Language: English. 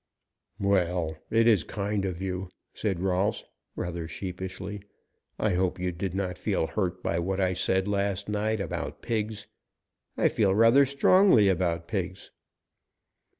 "Well, it is kind of you," said Rolfs rather sheepishly. "I hope you did not feel hurt by what I said last night about pigs. I feel rather strongly about pigs."